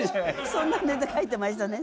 そんなネタ書いてましたね